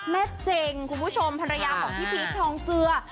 เจ๋งคุณผู้ชมภรรยาของพี่พีชทองเจือ